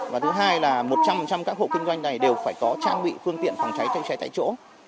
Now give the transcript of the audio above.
và thứ hai là một trăm linh các hộ kinh doanh này đều phải có trang bị phương tiện phòng cháy chữa cháy tại chỗ